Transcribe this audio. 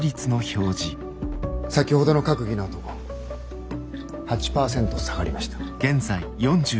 先ほどの閣議のあと８％下がりました。